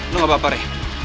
lupa pak pari